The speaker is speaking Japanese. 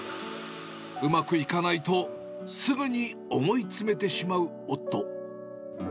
うまくいかないとすぐに思い詰めてしまう夫。